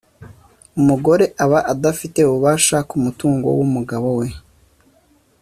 umugore aba adafite ububasha ku mutungo w’umugabo we.